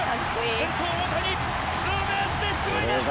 先頭大谷ツーベースで出塁です！